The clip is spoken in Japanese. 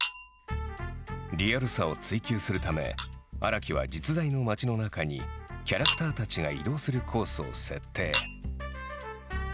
リアルさを追求するため荒木は実在の街の中にキャラクターたちが移動するコースを設定。